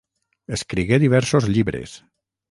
Escrigué diversos llibres.